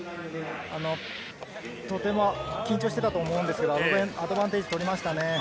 とても緊張していたと思うんですが、アドバンテージ取りましたね。